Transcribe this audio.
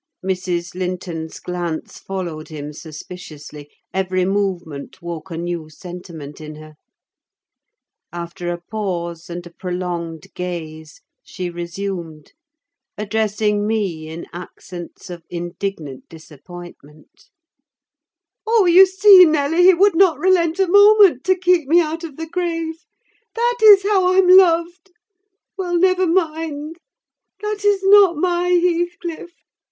Mrs. Linton's glance followed him suspiciously: every movement woke a new sentiment in her. After a pause and a prolonged gaze, she resumed; addressing me in accents of indignant disappointment:— "Oh, you see, Nelly, he would not relent a moment to keep me out of the grave. That is how I'm loved! Well, never mind. That is not my Heathcliff.